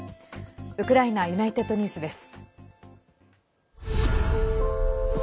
ウクライナＵｎｉｔｅｄＮｅｗｓです。